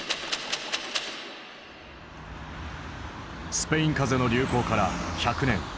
スペイン風邪の流行から１００年。